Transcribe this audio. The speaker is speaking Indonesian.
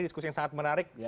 diskusi yang sangat menarik